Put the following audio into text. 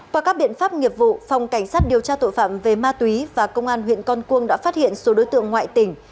qua các biện pháp nghiệp vụ phòng cảnh sát điều tra tội phạm về ma túy và công an huyện con cuông đã phát hiện số đối tượng ngoại tỉnh